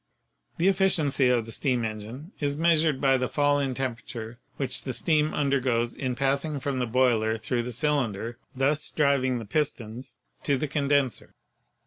The efficiency of the steam engine is measured by the HEAT 61 fall in temperature which the steam undergoes in passing from the boiler through the cylinder (thus driving the pis tons) to the condenser.